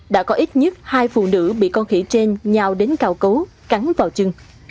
đã có ít nhất hai phụ nữ bị con khỉ trên nhào đến cào cấu cắn vào chân